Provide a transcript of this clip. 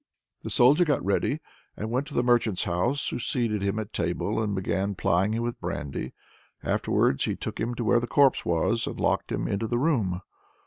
The Soldier got ready and went to the merchant's, who seated him at table, and began plying him with brandy. Afterwards he took him to where the corpse was, and locked him into the room.